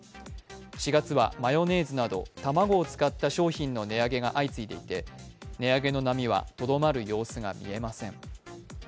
４月はマヨネーズなど、卵を使った商品の値上げが相次いでいて、値上げの波はとどまる様子が見えません。